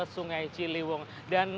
sungai ciliwung dan